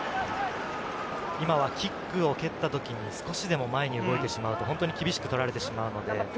キックを蹴ったときに少しでも前に動いてしまうと、本当に厳しく取られてしまうので。